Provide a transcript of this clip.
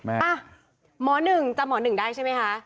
อ่ะหมอหนึ่งจำหมอหนึ่งได้ใช่ไหมคะ